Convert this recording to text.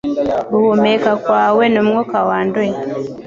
Guhumeka kwawe ni umwuka wanduye